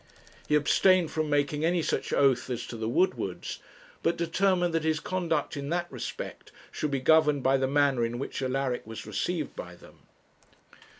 He abstained from making any such oath as to the Woodwards; but determined that his conduct in that respect should be governed by the manner in which Alaric was received by them.